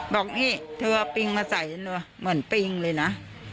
บอกนี่เธอเอาปริงมาใส่เหมือนปริงเลยนะ